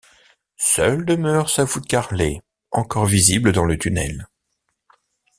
Seule demeure sa voûte carrelée, encore visible dans le tunnel.